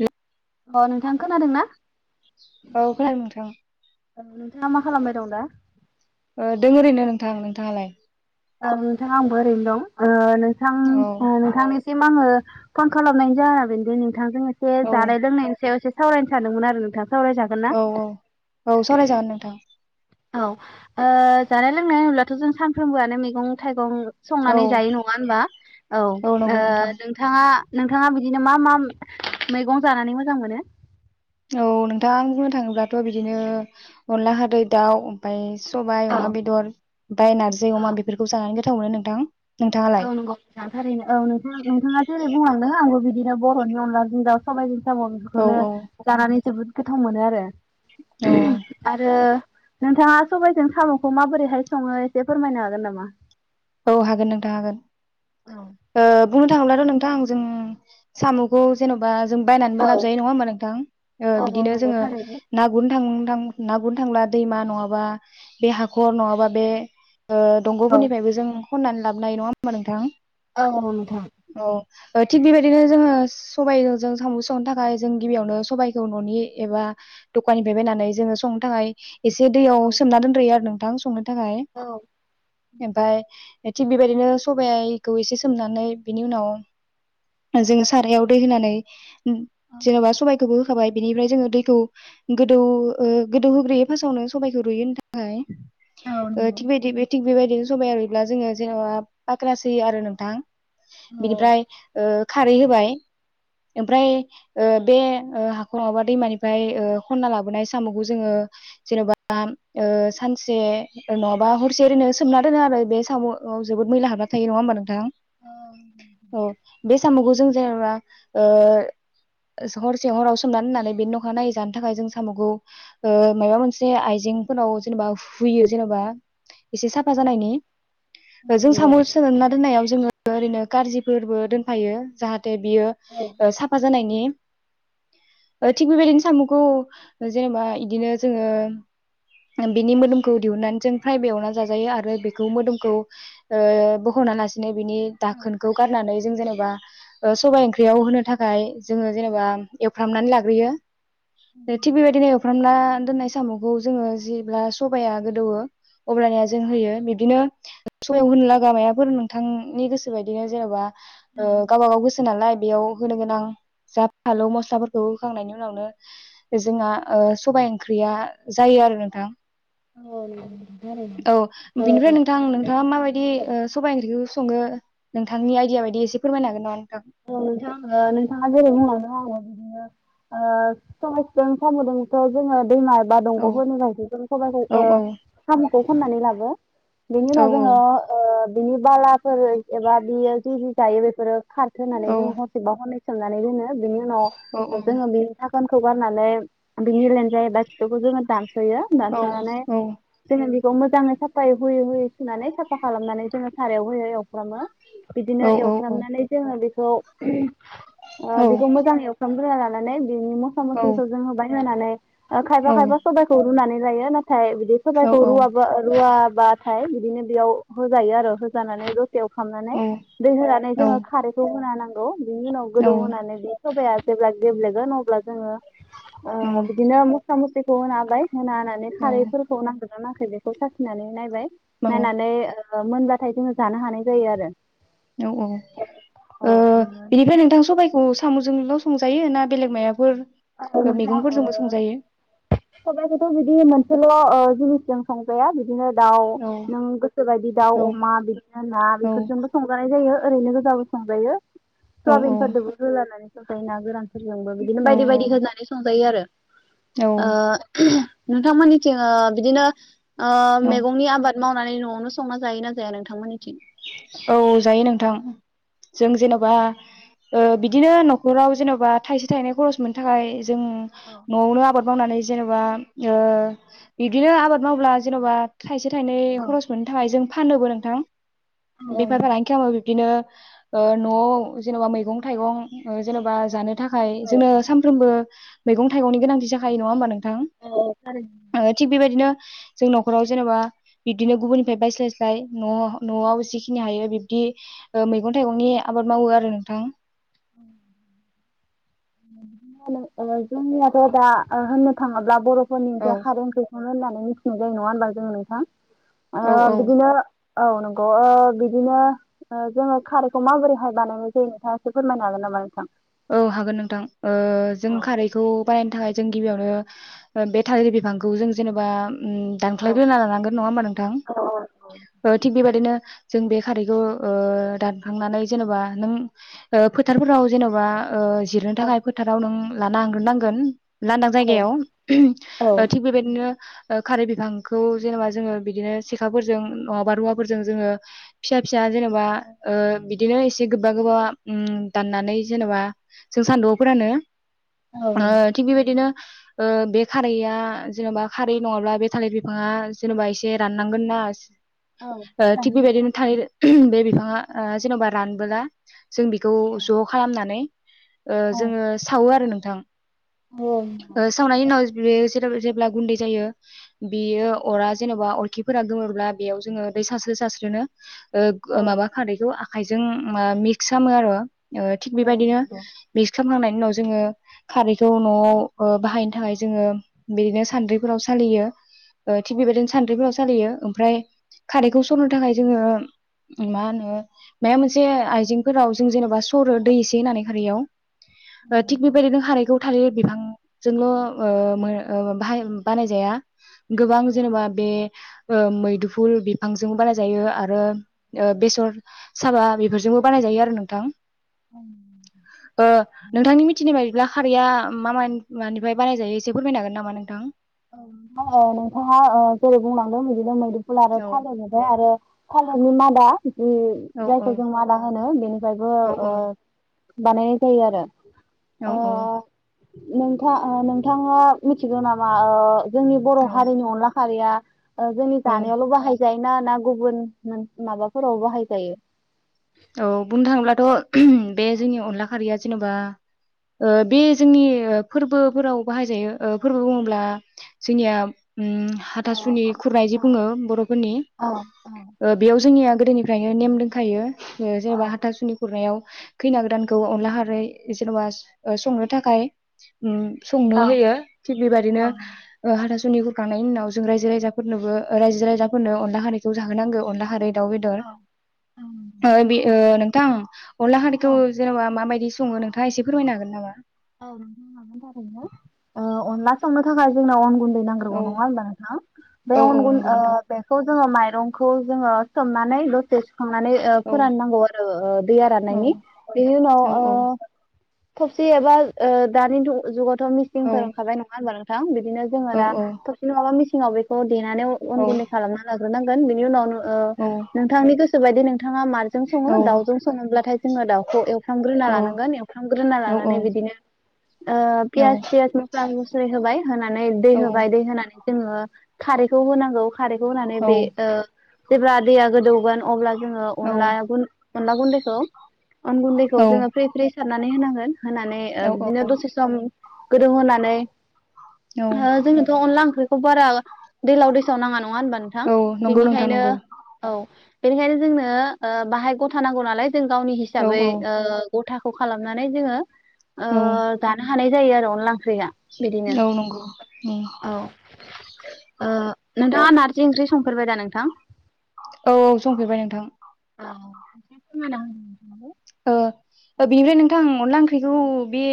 औ अ नोंथां खोनादों ना? औ खोनादों नोंथां औ। औ नोंथाङा मा खालामबाय दं दा? नोंथाङा लाय ओ नोंथाङा आंबो ओरैनो दं। नोंथां औ नोंथांनि सिम आङो फन खालामनाय जानो बेनोदि नोंथांजों एसे औ जानाय लोंनायनि सायाव एसे सावरायनो सानदोंमोन आरो नोंथाङा औ औ औ सवरायजागोन नोंथां औ ओ जानाय लोंनाय होनब्लाथ' जों सानफ्रोमबोआनो मैगं थाइगं औ संनानै जायो नङा होनबा औ ओ नंगौ नोंथां नोंथाङा नोंथाङा बिदिनो मा मा मैगं जानानै मोजां मोनो? औ नोंथां बुंनो थाङोब्लाथ' बिदिनो अनला हादै दाउ ओमफ्राय सबाय अमा बेदर ओमफाय नारजि अमा बेफोरखौ जानानै गो गोथाव मोनो नोंथां नोंथाङालाय औ नंगौ नोंथां थारैनो औ नोंथांङा नोंथाङा जेरै बुंलां आंबो बिदिनो बर'नि अनलाजों दाव सबायजों दाव औ बेखौनो औ जानानै जोबोद गोथाव मोनो आरो। औ [unintelligible] आरो नोंथाङा सबाइजों साम'खौ माबोरैहाय सङो एसे फोरमायनो हागोन नामा? औ हागोन नोंथां हागोन ओ बुंनो थाङोब्लाथ' नोंथां आं जों साम'खौ जेन'बा जों बायनानैबो लाबजायो नङा होमबा नोंथां बिदिनो जोङो ना गुरनो थां थां ना गुरनो थांब्ला दैमा नङाबा बे हाखर नङाबा बे ओ दंग'फोरनिफ्रायबो जों खननानै लाबनाय नङा होमबा नोंथां? औ नोंथां थिग बेबायदिनो जोङो सबाइजों जों साम' संनो थाखाय जों गिबियावनो सबाइखौ न'नि एबा दखाननिफ्राय बायनानै जोङो संनो थाखाय एसे दैयाव सोमना दोनद्रोयो आरो नों [unintelligible] संनो थाखाय ओमफाय थिग बेबायदिनो सबाइखौ एसे सोमनानै बिनि उनाव जोङो सारायाव दै होनानै जेन'बा सबायखौबो होखाबाय बेनिफ्राय जोङो दैखौ गोदौ गोदौ होग्रोयो फार्स्टआवनो सबाइखौ रुयो होनो थाखाय ओ थिक बादि थिग बेबायदि बिदिनो सबाया अब्ला जोङो जेनेबा फाक्रा होयो आरो नोंथां बिनिफ्राय ओ खारै होबाय ओमफ्राय ओ बे हाखौ नङाबा दैमानिफ्राय खन्ना लाबोनाय साम'खौ जोङो जेन'बा ओ सानसे नङाबा हरसे ररो सोमना दोनो आरो बे थाव जोबोद मैला हाब्राायो नङा होनबा नोंथां औ साम'खौ जों जेनेबा ओ हरसे हराव सोमना दोननानै बेनि अखानायै जा थाखाय जों साम'खौ ओ माबा मोनसे आइजेंफोरनाव जेनेबा हुयो जेनेबा एसे साफा जानायनि जों साम' सोनना दोननायाव जोङो ओरैनो गारजिफोरबो दोनफायो जाहाथे थे बियो साफा जानायनि ओ थिग बेबायदिनो साम'खौ जेनेबा बिदिनो जोङो बिनि मोदोमखौ दिहुननानै जों फ्रायबो एवना जाजायो आरो बेखौ मोदोम खौ बहना लासिनो बिनो बिनि दाखोनखौ गारनानै जों जेनेबा ओ सबाय ओंख्रियाव होनो थाखाय जोङो जेनेबा एवफ्रामनानै लाग्रोयो थिग बेबायदिनो एवफ्रामना दोननाय साम'खौ जोङो जेब्ला सबाया गोदौवो अब्लानिया जों होयो बिबदिनो सबाइआव होनोलागा मायाफोर नोंथांनि गोसो बायदिनो जेन'बा गावबा गाव गोसो नालाय बेयाव होनो गोनां जा फालौ मस्लाफोरखौ होखांनायनि उनावनो जोंहा सबाइ ओंख्रिया जायो आरो नोंथां औ [unintelligible] आं नोंथाङा माबायदि ओ सबाय ओं खौ सङो नोंथांनि आइदिया बायदि एसे फोरमायनो हागोन नामा नोंथां औ ओ नोंथां‌ नोंथाङा जेरै बुंलांदों आङो बिदिनो ओ सबाइजजों सामदोंथ जोङो दैमा एबा औ दंग'फोरनि बाय जों सबाइखौ औ औ ओ खौ खननानै लाबो बेनि औ उनाव जोङो ओ बिनि बालाफोर एबा बियो जि जि जायो बेफोरो दोननानै औ जों हरनसेबा हरनैस सोमनानै दोनो बिनि उनाव औ जोङो बिनि थाखाय थाखोनखौ गारनानै बेनि लानजाइ बा खिथौखौ जोङो दान सयो औ दानसनानै जोङो बे खौ मोजाङै साफाहोयै होयै सुनानै साफा खालामनानै जोङो सारायाव होयो एव फ्रामो औ बिदिनो औ एवफ्रामनानै बेखौ ओ बेखौ मोजां एवफ्रामग्रो ला नानै बिनि मस्ला मस्लिखौ जोङो बाय [unintelligible] ओ औ खायफा औ खायफा सबायखौ रुनानै [unintelligible] थाय बिदि औ सबायखौ रुवाबो रुवा बाथाय बिदिनो बेयाव होजायो आरो होजानानै द से एवफ्रामनानै औ दै होनानै औ जोङो होना होनांगौ बिनि उनाव औ गोदौ होना नै बे सबाया जेब्ला गेब्लेगोन अब्ला जोङो आ औ बिदिनो मस्ला मस्लि ज' होना होबाय होना होनानै खारैफोरखौ [unintelligible] नांदोना नाङाखै बेखौ साखिनानै नायबाय औ नायनानै ओ ओ मोनबाथाय जोङो जानो हानाय जायो आरो औ औ ओ बिनिफ्राय नोंथां सबायखौ साम'जोंल' संजायो ना बेलेग माइबाफोर ओ नोंथां ओ सबायखौथ' बिदि मोन सेल' ओ जिनिसजों संजाया बिदिनो दाउ औ नों गोसोबायदि दाउ औ अमा बिदिनो ना औ बेफोरजोंबो संजानाय जायो ओैरैनो गोजाबो संजायो औ सुवाबिन फोरदोबो होलानानै [unintelligible] ना गोरान जोंबो बिदिनो औ बायदि बायदि बिदि होनानै संजायो आरो औ ओ नोंथांमोननिथिं ओ बिदिनो ओ मैगंनि आबाद मावनानै न'आवनो संना जायो ना जाया नोंथांमोननिथिं औ जायो नोंथां जों जेन'बा ओ बिदिनो न'खराव जेन'बा थाइसे थाइनै खरस मोननो थाखाय जों न'आवनो आबाद मावनानै जेन'बा ओ बिदिनो आबाद मावब्ला जेन'बा थाइसे थाइनै खरस मोननो थाखाय जों फानोबो नोंथां बेफार फालांगि खालामाबा बिदिनो ओ न'आव जेनेबा मैगं थाइगं जेन'बा जानो थाखाय जोंङो सानफ्रोमबो मैंगं थाइगंनि गोनांथि जाखायो नङा होमबा नों थां थिग बेबायदिनो जों न'खराव जेनेबा बिबदिनो गुबुननिफ्राय बायस्लायस्लाय न' न'आवखि फिनो हायो बिबदि ओ मैगं थाइगंनि आबाद मावो आरो नोंथां बि जोंनियाथ' दा होननो थाङोब्ला बर' औ नि खारै ओंख्रिखौनो होननानै मिथियो मिथिनाय जायो नङा होनबा जों नोंथां औ आ औ बिदिनो औ नंगौ ओ बिदिनो ओ जोङो खारैखौ माबोरैहाय बानायनाय जायो नोंथाङा फोरमायनो हागोन नामा नोथां औ हागोन नोंथां ओ जों खारैखौ बानायनो थाखाय जों गिबियावनो बे थालिर बिफांखौ जों जेनेबा उम दानख्लायग्रोना लानांगोन नङा होमबा नोंथां थिग बेबदिनो जों बे खारैखौओ दानखांनानै जेनेबा नों फोथारफोराव जेनेबा बा ओ जिरनो थाखाय फोथाराव नों लाना हांग्रोनांगोन लांदां जायगायाव ओ थिग बेबायदिनो ओ खारै बिफांखौ जेनेबा जोङो बिदिनो सेखाफोरजों नङाबा रुवाफोरजों जोङो फिसा फिसा जेनेबा बिदिनो ओ एसे गोबा गोबा दाननानै जेनेबा जों सान्दुंआवफोरानो ओ थिग बेबायदिनो ओ बे खारैआ जेनेबा खारै नङाब्ला बे थालिर बिफाङा जेनबा एसे राननांगोन ना थिग बेबायदिनो थालिर बे बिफाङा ओ जेन'बा रानबोला जों बेखौ ज' खालामनानै ओ जोङो सावो आरो नों थां सावनायनि उनाव बे जेब्ला गुन्दै जायो बेयो अरा जेन'बा अरखिफोरा गोमोरब्लाबेयाव जोङो दै सासस्रो सस्रिनो ओ माबा खारैखौ आखाइजों मिक्स खालामो आरो थिग बेबायदिनो बि खामखांनायनि उनाव जोङो खारैखौ न'आव बाहायनो थाखाय जोङो बिदिनो सान्द्रिफोराव सालियो थिग बेबायदिनो सान्द्रिफोराव सालियो ओमफ्राय खारैखौ सरनो थाखाय जोङो मा होनो मा मोनसे आइजेंफोराव जों जेनेबा सरो दै एसे होननानै खारैयाव थिग बेबायदि नों हानायखौ थालिर बिफांजोंल' ओ मो अ बाहाय बानायजाया गोबां जेनेबा बे ओ मैदुफुल बिफांजोंबो बानाय जायो आरो बेसर साबा बेफोरजोंबो बानायजायो आरो नोंथां ओ नोंथांनि मिथिनाय बायदिब्ला खारैया मा मा मानिफ्राय बानायजायो एसे फोरमायनो हागोन नामा नोंथां औ ओम नोंथाङा जेरै बुंलांदों बिदिनो मोनदो आरो औ थाब आरो थालिरनि मादा जि औ औ जायखौ जों मादा होनो बेनिफ्रायबो औ ओ औ बानायनाय जायो आरो। औ औ नोंथा ओ नोंथाङा मिथिगौ नाम मा ओ जोंनि बर' औ हारिनि अनला खारैया ओ जोंनि औ जानायावल' बाहाय जायना ना गुबुन माबाफोराव बाहायजायो? औ बुंनो थाङोब्लाथ' [unintelligible] बे जोंनि अनला खारिया जेन'बा ओ बे जोंनि फोरबोफोराव बाहायजायो ओ फोरबो बुङोब्ला जोंनिया उम हाथासुनि खुरनाय जि बुङो बर'फोरनि ओ बेयाव जोंनिया गोदोनिफ्रायनो नेम दोंखायो ओ जेन'बा हाथासुुनि खुरनायाव खैना गोदानखौ अनला खारै जेन'बा ओ संनो थाखाय उम संनो होयो थिक बेबायदिनो ओ हाथासु सुनि गुरखांनायनि उनाव जों रायजो राजाफोरनोबो रायजो राजाफोरनो अनला खारिखौ जाहोनांगो अनला खारै दाउ बेदर अ उम। ओ बे ओ नोंथां अनला खारैखौ जेन'बा माबायदि सङो नोंथाङा एसे फोरमायनो हागोन नामा? औ नोंथा [unintelligible] ओ अनला सावनो थाखाय जोंनो अन गुन दै नांग्रोगौ औ नङा होनबा नोंथां बे औ औ अन गुन नंगौ ओ नोंथां बेखौ जोङो माइरंखौ जोङो सोमनानै दसे स खांनानै ओ औ फोराननांगौ आरो ओ दैया औ राननायनि बेनि उनाव औ ओ थबसि एबा ओ दानि थ' जुगाव थ' औ मिसिंफोर ओंखारबाय नङा होनबा नों थां बे दिनो जोङो दा थबसि नङाबा मिस सिनाव बेखौ देनानै औ अन गुन्दै खालामना ला ग्रोनांगोन बिनि उनावनो ओ औ नोंथांनि गोस [unintelligible] नोंथाङा मान जों औ सङो दावजों सङोब्लाथाय जोङो दाउखौ एवफ्रामग्रोना लानांगोन एवफ्रामग्रोना औ लानानै बिदिनो ओ पियास थियास मस्ला मस्लि होबाय होनानै दै होबाय दै होनानै जोङो खारैखौ होनांगौ खारैखौ होनानै बे ओ जेब्ला दैआ गोदौगोन अब्ला जों जों अनलायावबो अन गुन्दैखौ जोङो फ्रि फ्रि सारनानै होनांगोन होन ओ औ बिदिनो दसे सम गोदौ होनानै ओ जोंनोथ' अनला ओंख्रि बारा दैलाव दै साव नाङा नङा होनबा नोंथां औ नंगौ नोंथां बेनिखायनो नंगौ औ बेनिखायनो जोंनो ओ बाहाय गथा नांगौ नालाय जों गावनि औ हिसाबै ओ गथाखौ खालामनानै जोङो आ औ जानो हानाय जायो आरो अनला रिया बिदिनो औ नंगौ उम औ नोंथाङा नारजि ओंख्रि संफेरबाय दा नोंथां औ औ संफैबाय नोंथां [unintelligible] ओ बेनिफ्राय नोंथां अनला ओंख्रिखौ बे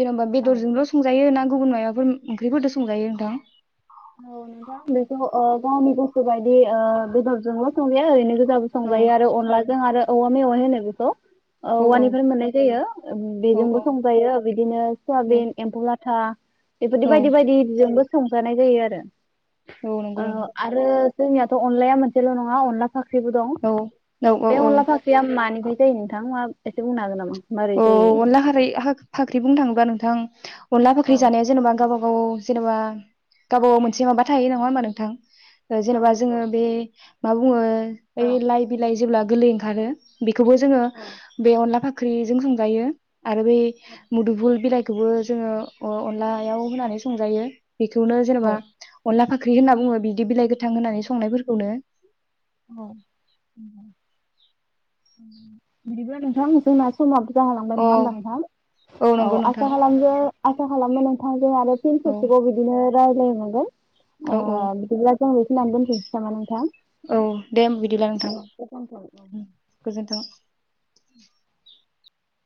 जेनेबा बेदरजोंल' संजायो ना गुबुन मायाबाफोर ओंख्रिफोरजों संजायो नोंथां अ गावनि गोसो बायदि ओ बेदरजोंल' संजाया ओरैनो गो जाबो औ संजायो आरो अनलाजों आरो औ औवा मेवाइ होनो बेखौ औ औ औवानिफ्राय मोननाय जायो औ बेजोंबो औ संजायो बिदिनो सयाबिन एम्फौ लाथा था बेफोरदि औ बायदि बायदिजोंबो संजानाय जायो आरो दों औ नंगौ आ नोंथां आरो जोंनियाथ' अनलाया मोनसेल' नङा अनला फाख्रिबो दं औ औ औ बे औ अनला फाख्रिया मानिफ्राय जायो नोंथां मा एसे बुंनो हागोन नामा मारै अ जायो? अनला खारै हा फाख्रि बुंनो थाङोबा नों थां अनला फाख्रि जानाया जेनेबा गाबा औ जेनेबा गावबा गाव मोनसे माबा थायो नङा होमबा नोंथां जेनेबा जोङो बे मा बुङो ओइ लाइ बिलाय जेब्ला गोलै ओंखारो बेखोबो जोङो बे अनला फा ख्रि जों संजायो आरो बै मुुदुफुल बिलाइ खौबो जोङो अ अनलायाव होनानै संजायो बेखौनो जेनेबा अनला फा ख्रि होनना बुङो बिदि बिलाइ गोथां होननानै संनायफोरखौनो औ बिदिब्ला नोंथां जोंना समाबो जाहोलांबाय अ नङा होनबा नोंथां औ नंगौ नोंथां आसा खालामदो आसा खालामनो नोंथां जों आरो फिन औ खेबसेबाव बिदिनो रायलायनो मोनगोन अ औ औ बिदिब्ला जों बे खिनियावनो दोनथ'नसै नामा नोंथां देम बिदिब्ला नोंथां उम गोजोन्थों [inaudible]